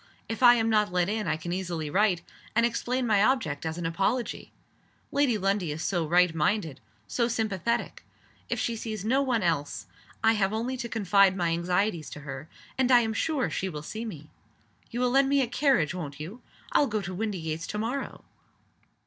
"If I am not let in I can easily write and explain my object as an apology. Lady Lundie is so right minded, so sympathetic. If she sees no one else I have only to confide my anxieties to her, and I am sure she will see me. You will lend me a carriage, won't you? I'll go to Windygates to morrow."